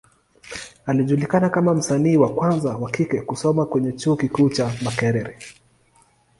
Alijulikana kama msanii wa kwanza wa kike kusoma kwenye Chuo kikuu cha Makerere.